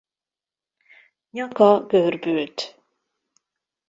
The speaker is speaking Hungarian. Nyaka görbült.